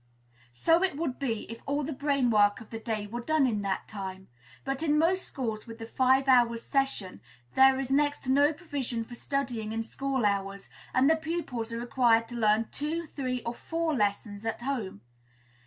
So it would be, if all the brain work of the day were done in that time; but in most schools with the five hours session, there is next to no provision for studying in school hours, and the pupils are required to learn two, three, or four lessons at home.